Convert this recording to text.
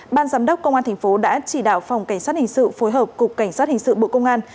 ban giám đốc công an tp đã chỉ đạo phòng cảnh sát hình sự phối hợp cục cảnh sát hình sự bộ công an